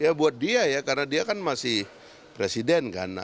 ya buat dia ya karena dia kan masih presiden kan